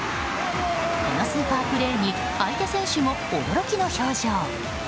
このスーパープレーに相手選手も驚きの表情。